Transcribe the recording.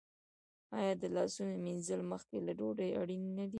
آیا د لاسونو مینځل مخکې له ډوډۍ اړین نه دي؟